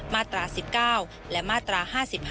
มาตรา๑๙และมาตรา๕๕